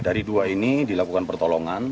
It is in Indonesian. dari dua ini dilakukan pertolongan